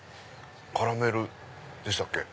カラメルでしたっけ？